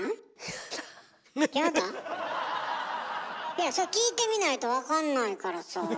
いやそれ聴いてみないとわかんないからさあ。